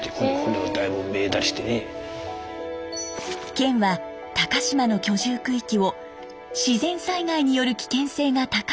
県は高島の居住区域を自然災害による危険性が高い場所に指定。